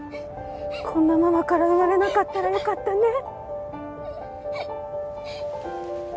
こんなママから生まれなかったらよかったね。